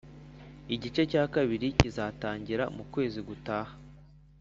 Igice cya kabiri kizatangira mu kwezi gutaha